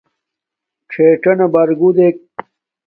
ڞݵڅَنݳ بَرگُو دݵک.